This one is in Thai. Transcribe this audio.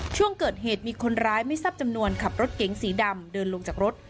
ช่วงเกิดเหตุมีคนร้ายไม่ทราบจำนวนขับรถเก๋งสีดำเดินลงจากรถ